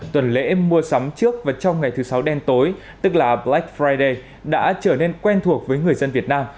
tuần lễ mua sắm trước và trong ngày thứ sáu đen tối tức là black friday đã trở nên quen thuộc với người dân việt nam